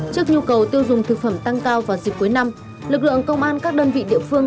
trước nhu cầu tiêu dùng thực phẩm tăng cao vào dịp cuối năm lực lượng công an các đơn vị địa phương